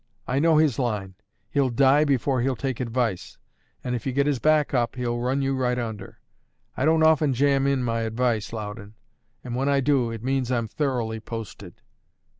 I know his line: he'll die before he'll take advice; and if you get his back up, he'll run you right under. I don't often jam in my advice, Loudon; and when I do, it means I'm thoroughly posted."